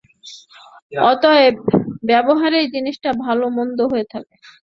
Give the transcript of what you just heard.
অতএব ব্যবহারেই জিনিষটা ভাল মন্দ হয়ে থাকে।